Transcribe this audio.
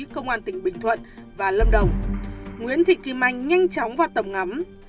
công an tỉnh bình thuận và lâm đồng nguyễn thị kim anh nhanh chóng vào tầm ngắm